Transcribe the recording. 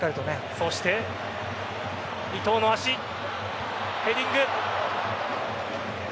そして伊東の足ヘディング。